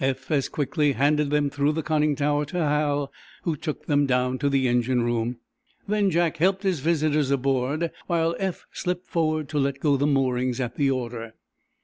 Eph as quickly handed them through the conning tower to Hal, who took them down to the engine room. Then Jack helped his visitors aboard, while Eph slipped forward to let go the moorings at the order.